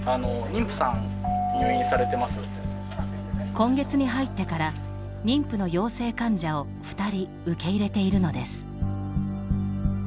今月に入ってから妊婦の陽性患者を２人受け入れているのです。